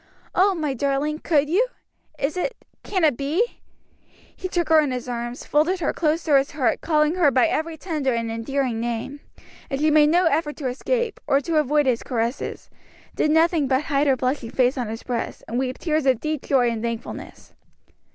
"Oh, my darling, could you? is it can it be " He took her in his arms, folded her close to his heart, calling her by every tender and endearing name, and she made no effort to escape, or to avoid his caresses; did nothing but hide her blushing face on his breast, and weep tears of deep joy and thankfulness.